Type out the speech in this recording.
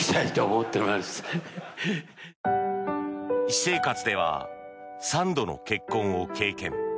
私生活では３度の結婚を経験。